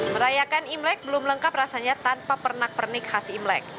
merayakan imlek belum lengkap rasanya tanpa pernak pernik khas imlek